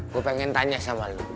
gue pengen tanya sama lu